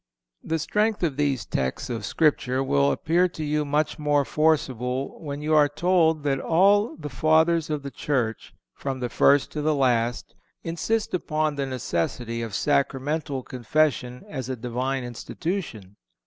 (444) The strength of these texts of Scripture will appear to you much more forcible when you are told that all the Fathers of the Church, from the first to the last, insist upon the necessity of Sacramental Confession as a Divine institution.